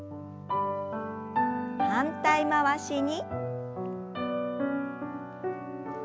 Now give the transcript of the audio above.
反対回しに。